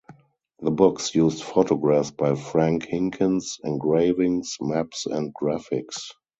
The books used photographs by Frank Hinkins, engravings, maps and graphics.